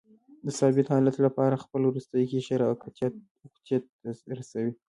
د ثابت حالت لپاره خپل وروستی قشر اوکتیت ته رسوي.